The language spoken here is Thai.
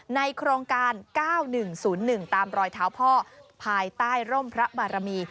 ในโครงการ๙๑๐๑ตามรอยเท้าพ่อภายใต้ร่มพระบารมี